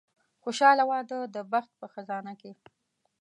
خوشاله واده د بخت په خزانه کې.